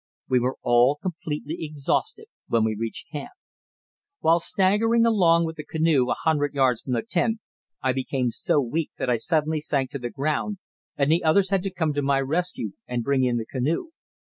We were all completely exhausted when we reached camp. While staggering along with the canoe a hundred yards from the tent, I became so weak that I suddenly sank to the ground and the others had to come to my rescue and bring in the canoe.